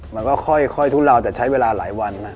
มันก็ค่อยทุเลาแต่ใช้เวลาหลายวันนะ